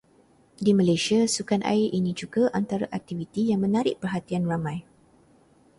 Di Malaysia sukan air ini juga antara aktiviti yang menarik perhatian ramai.